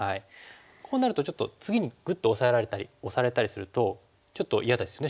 こうなるとちょっと次にグッとオサえられたりオサれたりするとちょっと嫌ですよね